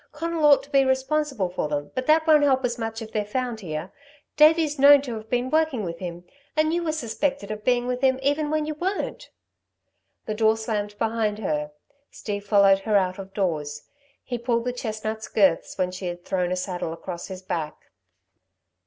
Conal ought to be responsible for them, but that won't help us much if they're found here. Davey's known to have been working with him and you were suspected of being with him even when you weren't!" The door slammed behind her. Steve followed her out of doors. He pulled the chestnut's girths when she had thrown a saddle across his back.